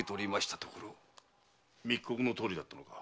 密告のとおりだったのか。